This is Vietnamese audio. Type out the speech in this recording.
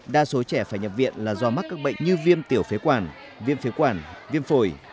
đa số trẻ phải nhập viện là do mắc các bệnh như viêm tiểu phế quản viêm phế quản viêm phổi